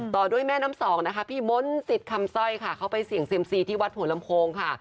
ต่อด้วยแม่น้ำสองนะคะพี่มนต์สิทธิ์คำสร้อยค่ะเขาไปเสี่ยงเซียมซีที่วัดหัวลำโพงค่ะ